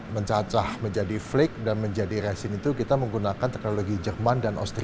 mencacah menjadi flake dan menjadi resin itu kita menggunakan teknologi jerman dan austria